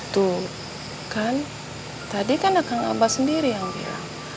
tuh kan tadi kan kak mbak sendiri yang bilang